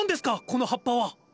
この葉っぱは。